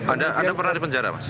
anda pernah dipenjara mas